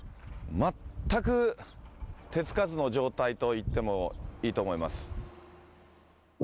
全く手つかずの状態といってもいいと思います。